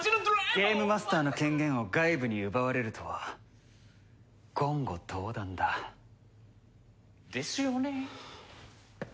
ゲームマスターの権限を外部に奪われるとは言語道断だ。ですよね。